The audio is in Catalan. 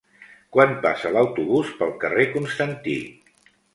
Quan passa l'autobús pel carrer Constantí?